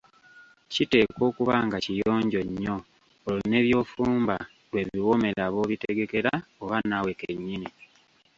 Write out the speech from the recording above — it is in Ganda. Kiteekwa okuba nga kiyonjo nnyo olwo ne by'ofumba lwe biwoomera b‘obitegekera oba naawe kennyini.